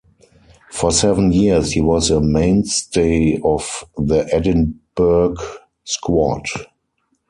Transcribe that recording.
For seven years he was a mainstay of the Edinburgh squad.